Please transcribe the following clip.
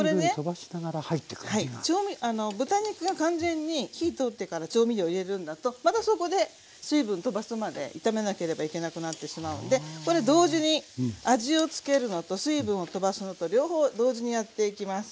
豚肉が完全に火通ってから調味料入れるんだとまたそこで水分とばすまで炒めなければいけなくなってしまうのでこれ同時に味をつけるのと水分をとばすのと両方同時にやっていきます。